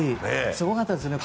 すごかったですね。